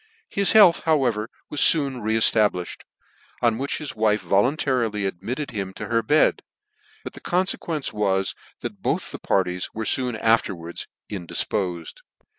His health, however, was foon re eftablifhed ; on whicn his wife voluntarily admitted him {o her bed : but the confluence was, that both the par ties were foon afterwards indifpofed.